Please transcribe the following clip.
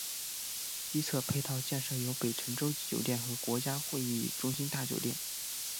西侧配套建设有北辰洲际酒店和国家会议中心大酒店。